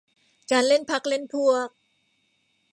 การเล่นพรรคเล่นพวก